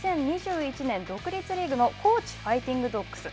２０２１年独立リーグの高知ファイティングドッグス。